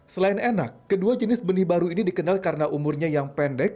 selain enak kedua jenis benih baru ini dikenal karena umurnya yang pendek